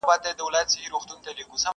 یو په ښار کي اوسېدی بل په صحرا کي!!